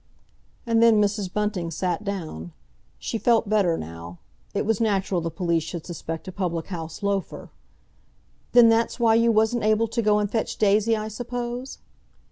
And then Mrs. Bunting sat down. She felt better now. It was natural the police should suspect a public house loafer. "Then that's why you wasn't able to go and fetch Daisy, I suppose?"